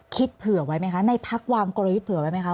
เผื่อไว้ไหมคะในพักวางกลยุทธ์เผื่อไว้ไหมคะ